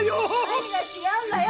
何が違うんだよ